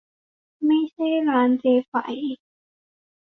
ไม่ใช่ร้านเจ๊ไฝ